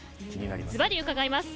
ずばり伺います。